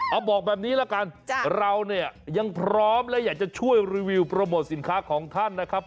เอาบอกแบบนี้ละกันเราเนี่ยยังพร้อมและอยากจะช่วยรีวิวโปรโมทสินค้าของท่านนะครับ